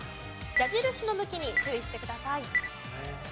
矢印の向きに注意してください。